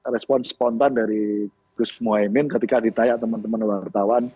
respon spontan dari gus mohaimin ketika ditanya teman teman wartawan